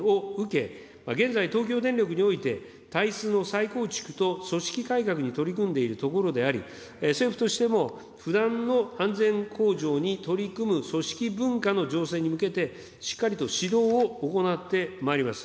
特に柏崎刈羽電力発電所については一連の核物質防護事案を受け、現在、東京電力においての再構築と組織改革に取り組んでいるところであり、政府としても不断の安全向上に取り組む組織文化の醸成に向けて、しっかりと指導を行ってまいります。